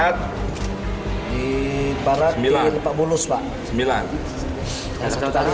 yang dibawa apa aja sama pelaku